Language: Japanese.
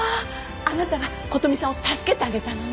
あなたが琴美さんを助けてあげたのね。